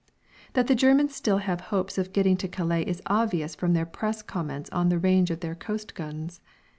That the Germans still have hopes of getting to Calais is obvious from their Press comments on the range of their coast guns.